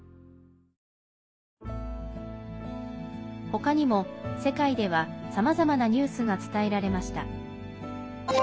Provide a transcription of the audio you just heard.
ほかにも世界ではさまざまなニュースが伝えられました。